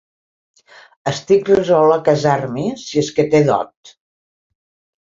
Estic resolt a casar-m'hi, si és que té dot.